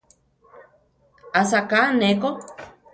Asaká ne ko.